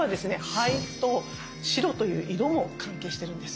肺と白という色も関係してるんです。